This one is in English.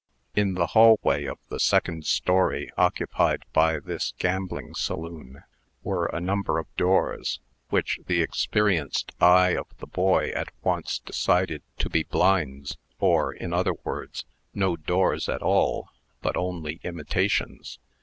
In the hallway of the second story occupied by this gambling saloon, were a number of doors, which the experienced eye of the boy at once decided to be blinds, or, in other words, no doors at all, but only imitations.